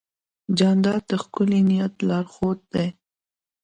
جانداد د ښکلي نیت لارښود دی.